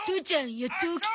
やっと起きた。